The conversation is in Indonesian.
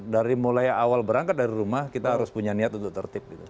dari mulai awal berangkat dari rumah kita harus punya niat untuk tertib gitu